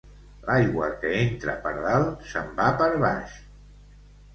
L'aigua que entra per dalt se'n va per baix